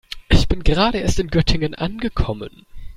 Ich bin gerade erst in Göttingen angekommen